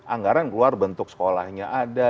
anggaran keluar bentuk sekolahnya ada